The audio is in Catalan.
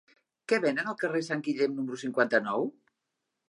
Què venen al carrer de Sant Guillem número cinquanta-nou?